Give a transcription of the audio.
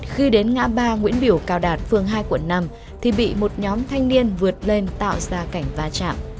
khi đến ngã ba nguyễn biểu cao đạt phường hai quận năm thì bị một nhóm thanh niên vượt lên tạo ra cảnh va chạm